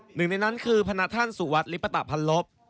หนึ่งในนั้นคือพระท่านสุวัสดิลิปตะพันลบ